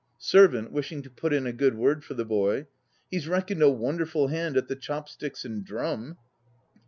SERVANT (wishing to put in a good word for the boy). He's reckoned a wonderful hand at the chop sticks and drum.